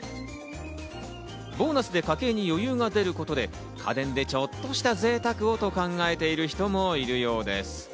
ボーナスで家計に余裕が出ることで、家電でちょっとした贅沢をと考えている人もいるようです。